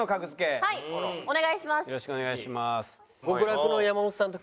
はい。